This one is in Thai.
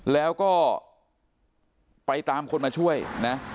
แล้วก็ไปตามคนมาช่วยนะ